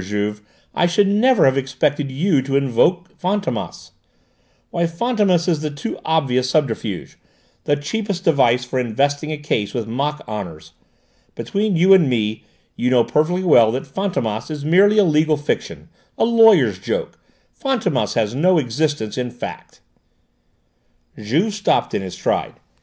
Juve, I should never have expected you to invoke Fantômas! Why, Fantômas is the too obvious subterfuge, the cheapest device for investing a case with mock honours. Between you and me, you know perfectly well that Fantômas is merely a legal fiction a lawyers' joke. Fantômas has no existence in fact!" Juve stopped in his stride.